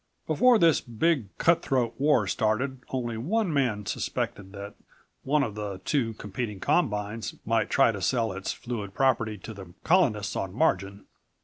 Before this big, cut throat war started only one man suspected that one of the two competing combines might try to sell its fluid property to the Colonists on margin.